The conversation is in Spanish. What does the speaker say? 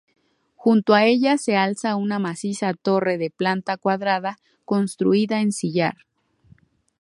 Junto a ella se alza una maciza torre de planta cuadrada construida en sillar.